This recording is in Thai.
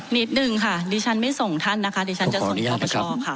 นิดนึงค่ะดิฉันไม่ส่งท่านนะคะดิฉันจะส่งคอปชค่ะ